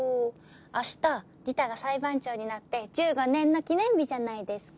明日リタが裁判長になって１５年の記念日じゃないですか。